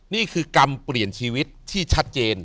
นี่คือกรรมเปลี่ยนชีวิตที่ชัดเจน